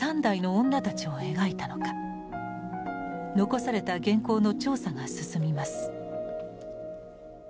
残された原稿の調査が進みます。